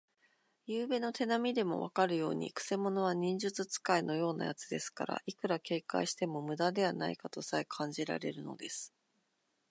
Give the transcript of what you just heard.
ゆうべの手なみでもわかるように、くせ者は忍術使いのようなやつですから、いくら警戒してもむだではないかとさえ感じられるのです。